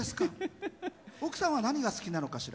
奥さんは何が好きなのかしら？